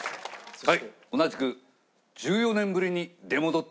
はい。